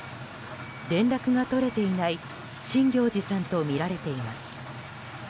連絡が取れていない新行内さんとみられています。